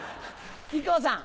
木久扇さん。